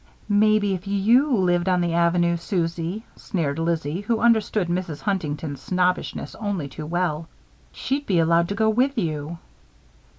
"Maybe if you lived on the Avenue, Susie," sneered Lizzie, who understood Mrs. Huntington's snobbishness only too well, "she'd be allowed to go with you."